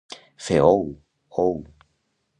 Fer ou, ou.